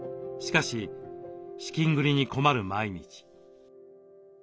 しかし資金繰りに困る毎日。